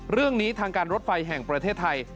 เรื่องนี้ทางการรถไฟแห่งประเทศไทย